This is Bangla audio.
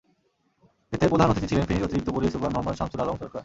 এতে প্রধান অতিথি ছিলেন ফেনীর অতিরিক্ত পুলিশ সুপার মুহাম্মদ শামসুল আলম সরকার।